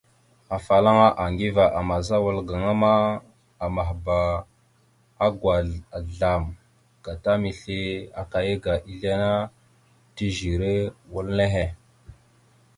Afalaŋa Aŋgiva àmaza wala ma, amahba agwazl azzlam gata misle akaya aga izle ana tèzire wal nehe.